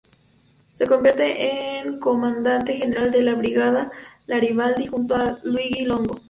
Se convierte en comandante general de la brigada Garibaldi junto a Luigi Longo.